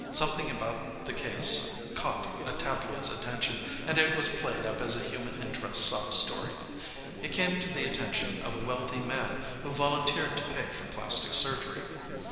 Something about the case caught a tabloid's attention and it was played up as a human interest sob story. It came to the attention of a wealthy man who volunteered to pay for plastic surgery.